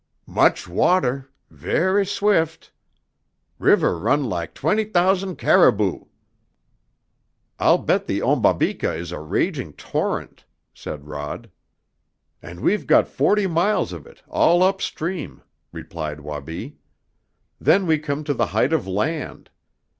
"Much water ver' swift. River run lak twent' t'ous'nd cari boo!" "I'll bet the Ombabika is a raging torrent," said Rod. "And we've got forty miles of it, all upstream," replied Wabi. "Then we come to the Height of Land.